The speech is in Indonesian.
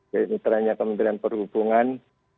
pemitranya kementerian perhubungan